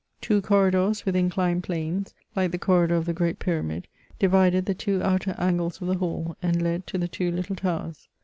Two corridors, with inclined planes, like the corridor of the great Pyramid, divided the two outer angles of the hall, and led to the two little towers.